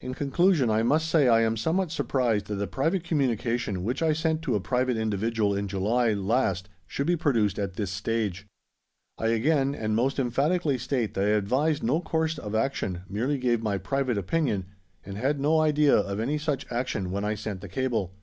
In conclusion I must say I am somewhat surprised that a private communication which I sent to a private individual in July last should be produced at this stage. I again and most emphatically state that I advised no course of action, merely gave my private opinion, and had no idea of any such action when I sent the cable.